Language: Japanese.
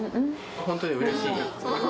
本当にうれしい。